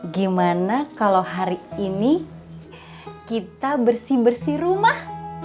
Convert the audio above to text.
gimana kalau hari ini kita bersih bersih rumah